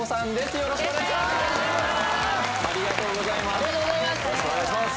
よろしくお願いします